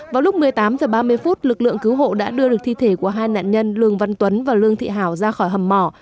vào lúc một mươi tám h ba mươi phút lực lượng cứu hộ đã đưa được thi thể của hai nạn nhân lương văn tuấn và lương thị hảo ra khỏi hầm mỏ